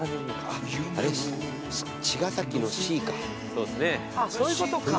あっそういうことか。